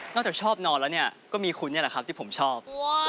จากชอบนอนแล้วเนี่ยก็มีคุณนี่แหละครับที่ผมชอบ